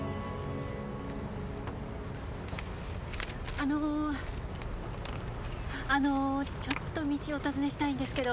あのあのちょっと道をお尋ねしたいんですけど。